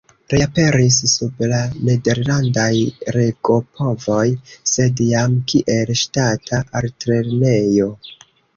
Reaperis sub la nederlandaj regopovoj, sed jam kiel ŝtata altlernejo.